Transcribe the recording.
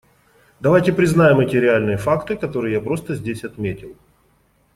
Давайте признаем эти реальные факты, которые я просто здесь отметил.